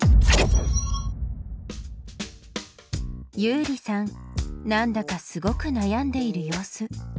ユウリさんなんだかすごく悩んでいる様子。